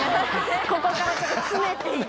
ここからちょっと詰めていって。